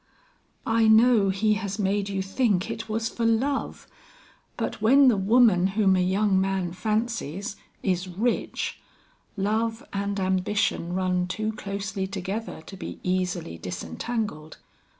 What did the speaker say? "I know he has made you think it was for love; but when the woman whom a young man fancies, is rich, love and ambition run too closely together to be easily disentangled.